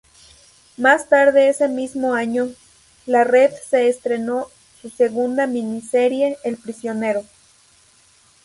Más tarde ese mismo año, la red se estrenó su segunda miniserie, El Prisionero.